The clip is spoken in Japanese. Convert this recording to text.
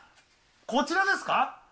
こちらですか？